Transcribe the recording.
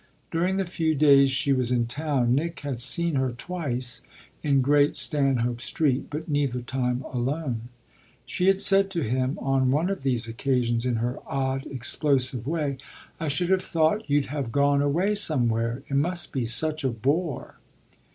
During the few days she was in town Nick had seen her twice in Great Stanhope Street, but neither time alone. She had said to him on one of these occasions in her odd, explosive way: "I should have thought you'd have gone away somewhere it must be such a bore."